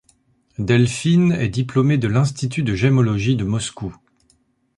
Delphine est diplômée de l'Institut de Gemmologie de Moscou.